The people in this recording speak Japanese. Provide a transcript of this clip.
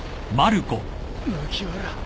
麦わら。